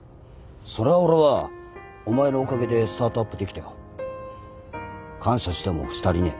そりゃあ俺はお前のおかげでスタートアップできたよ。感謝してもし足りねえ。